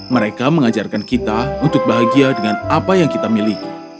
mereka mengajarkan kita untuk bahagia dengan apa yang kita miliki